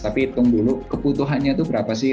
tapi hitung dulu kebutuhannya itu berapa sih